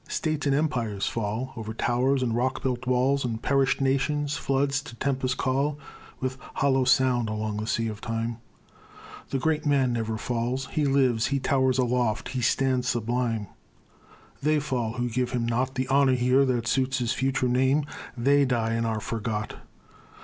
States and empires fall; O'er towers and rock built walls, And perished nations, floods to tempests call With hollow sound along the sea of time: The great man never falls. He lives, he towers aloft, he stands sublime They fall who give him not The honor here that suits his future name They die and are forgot.